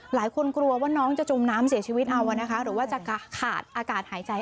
หลายคนกลัวว่าน้องจะจมน้ำเสียชีวิตเอานะคะหรือว่าจะขาดอากาศหายใจ